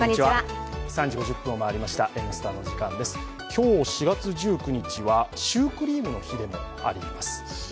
今日、４月１９日はシュークリームの日でもあります。